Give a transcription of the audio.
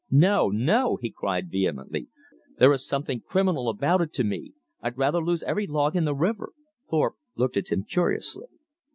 "No, no!" he cried vehemently. "There is something criminal about it to me! I'd rather lose every log in the river!" Thorpe looked at him curiously.